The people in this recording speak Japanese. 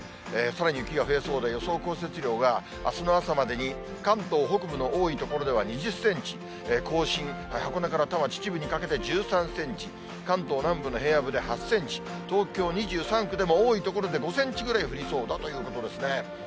さらに雪が増えそうで、予想降雪量が、あすの朝までに、関東北部の多い所では２０センチ、甲信、箱根から多摩、秩父にかけて１３センチ、関東南部の平野部で８センチ、東京２３区でも多い所で５センチぐらい降りそうだということですね。